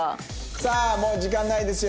さあもう時間ないですよ。